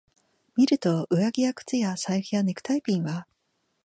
見ると、上着や靴や財布やネクタイピンは、